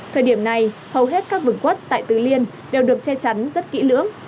thời điểm này hầu hết các vườn quất tại tứ liên đều được che chắn rất kỹ lưỡng